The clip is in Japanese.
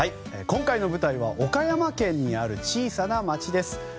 今回の舞台は岡山県にある小さな町です。